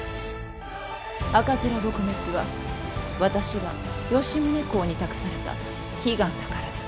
赤面撲滅は私が吉宗公に託された悲願だからです。